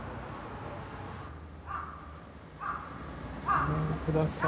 ごめんください。